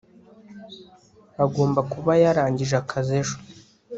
agomba kuba yarangije akazi ejo